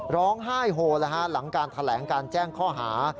ร้องไห้โฮหลังการแถลงการแจ้งข้อหา